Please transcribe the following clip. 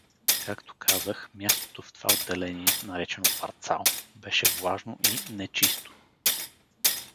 Както казах, мястото в това отделение, наречено „парцал“, беше влажно и нечисто.